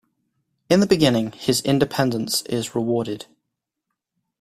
In the beginning, his independence is rewarded.